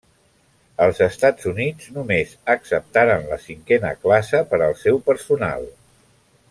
Els Estats Units només acceptaren la cinquena classe per al seu personal.